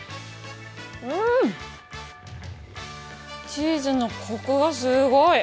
チーズのコクがすごい！